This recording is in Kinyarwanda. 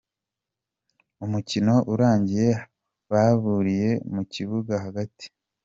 Umukino urangiye bahuriye mu kibuga hagati.